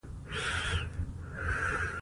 عطاييد ځوانو شاعرانو روزنه کړې ده.